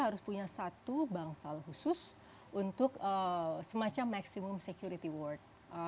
harus punya satu bangsal khusus untuk semacam maximum security award